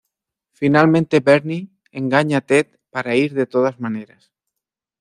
Finalmente Barney engaña a Ted para ir de todas maneras.